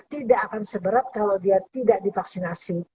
tidak akan seberat kalau dia tidak divaksinasi